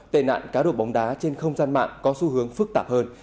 tệ nạn cá độ bóng đá trên không gian mạng có xu hướng phức tạp hơn